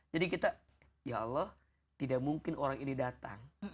jadi kita ya allah tidak mungkin orang ini datang